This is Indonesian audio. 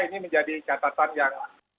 ini menjadi catatan yang